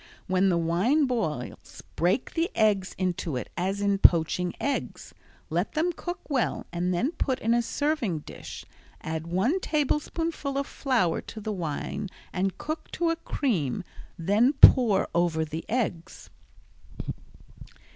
When the wine boils break the eggs into it as in poaching eggs. Let them cook well and then put in serving dish. Add one tablespoonful of flour to the wine and cook to a cream then pour over the eggs.